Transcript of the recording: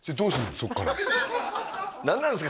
そっから何なんすか？